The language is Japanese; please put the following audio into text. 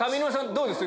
どうです？